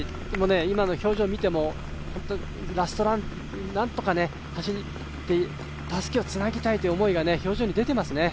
今の表情を見てもラストラン、何とか走ってたすきをつなぎたいという思いが表情に出ていますね。